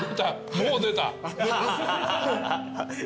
もう出た。